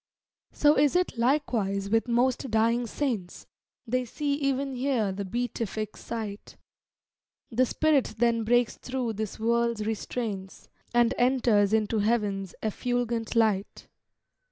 So is it, likewise, with most dying saints; They see e'en here the beatific sight; The spirit then breaks thro' this world's restraints, And enters into heaven's effulgent light.